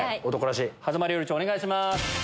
間料理長お願いします。